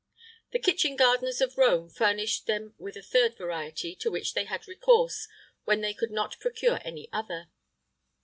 The kitchen gardeners of Rome furnished them with a third variety, to which they had recourse when they could not procure any other.